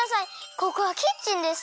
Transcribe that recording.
ここはキッチンです。